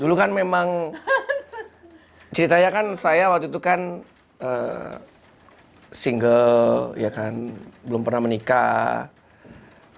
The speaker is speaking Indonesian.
dulu kan memang ceritanya kan saya waktu itu kan single ya kan belum pernah menikah